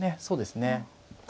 そうですね。